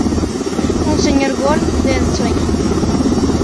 Un señor gol de ensueño.